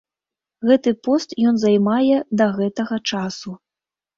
Гэты пост ён займае да гэтага часу.